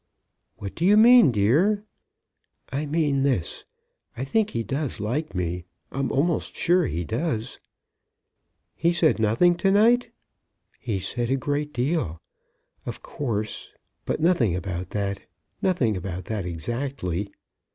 "What do you mean, dear?" "I mean this. I think he does like me; I'm almost sure he does." "He said nothing to night?" "He said a great deal, of course; but nothing about that; nothing about that exactly."